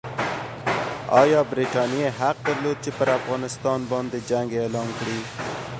ایا برټانیې حق درلود چې پر افغانستان باندې جنګ اعلان کړي؟